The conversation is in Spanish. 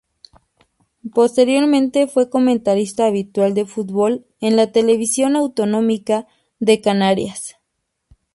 Posteriormente fue comentarista habitual de fútbol en la televisión autonómica de Canarias.